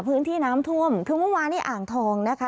พื้นที่น้ำท่วมคือเมื่อวานนี้อ่างทองนะคะ